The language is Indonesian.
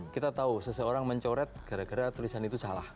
kita tahu seseorang mencoret gara gara tulisan itu salah